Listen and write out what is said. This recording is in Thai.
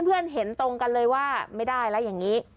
เห็นตรงกันเลยว่าไม่ได้แล้วอย่างนี้